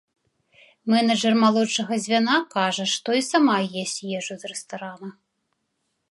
Менеджар малодшага звяна кажа, што і сама есць ежу з рэстарана.